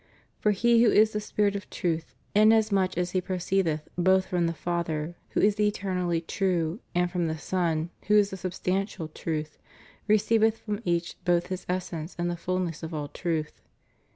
^ For He who is the Spirit of Truth, inasmuch as He pro ceedeth both from the Father, who is the eternally True, and from the Son, who is the substantial Truth, receiveth from each both His essence and the fulness of all truth.